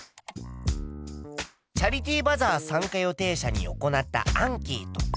チャリティーバザー参加予定者に行ったアンケート。